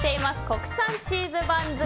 国産チーズ番付